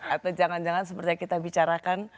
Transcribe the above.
atau jangan jangan seperti yang kita bicarakan